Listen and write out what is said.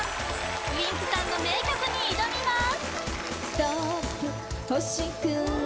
Ｗｉｎｋさんの名曲に挑みます